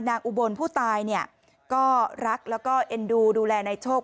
อุบลผู้ตายเนี่ยก็รักแล้วก็เอ็นดูดูแลนายโชค